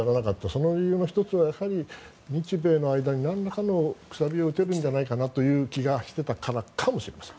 その理由の１つは日米の間になんらかの楔を打てるんじゃないかという気がしていたからかもしれません。